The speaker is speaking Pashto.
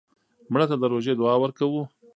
مړه ته د روژې دعا ورکوو